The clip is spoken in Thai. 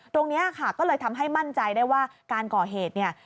ตรงนี้ค่ะก็เลยทำให้มั่นใจได้ว่าการก่อเหตุเนี่ย